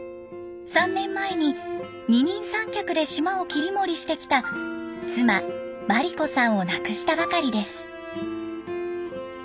３年前に二人三脚で島を切り盛りしてきた妻眞理子さんを亡くしたばかりです。